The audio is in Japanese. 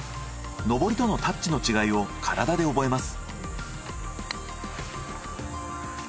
上りとのタッチの違いを体で覚えます。